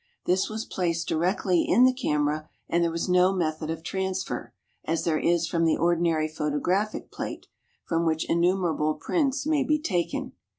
This was placed directly in the camera, and there was no method of transfer, as there is from the ordinary photographic plate, from which innumerable prints may be taken.